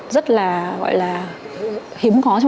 rất hiếm có